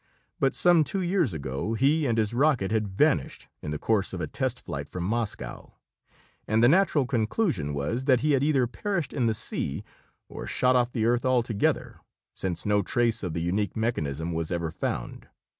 But some two years ago he and his rocket had vanished in the course of a test flight from Moscow, and the natural conclusion was that he had either perished in the sea or shot off the earth altogether, since no trace of the unique mechanism was ever found.